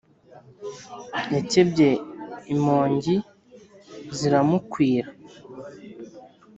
yakebye imongi ziramukwira